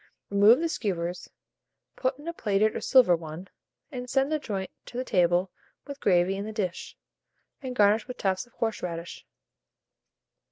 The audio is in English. Remove the skewers, put in a plated or silver one, and send the joint to table with gravy in the dish, and garnish with tufts of horseradish.